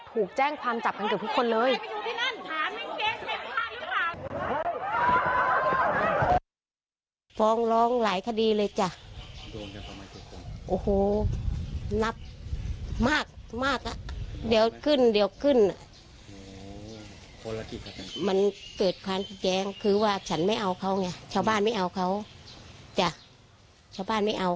ถูกแจ้งความจับกันเกือบทุกคนเลย